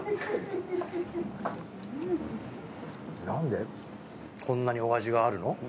なんでこんなにお味があるの？